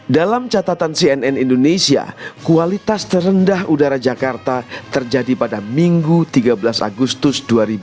dalam catatan cnn indonesia kualitas terendah udara jakarta terjadi pada minggu tiga belas agustus dua ribu dua puluh